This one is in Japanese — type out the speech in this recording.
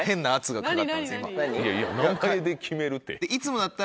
いやいや名前で決めるって。